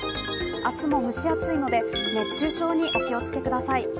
明日も蒸し暑いので熱中症にお気をつけください。